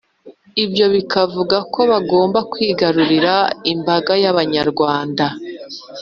ibyo bikavuga ko bagombaga kwigarurira imbaga y'Abanyarwanda